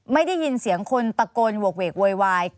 ไม่ได้ยินเสียงคนตะโกนโหกเวกโวยวาย